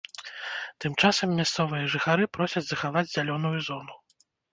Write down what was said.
Тым часам мясцовыя жыхары просяць захаваць зялёную зону.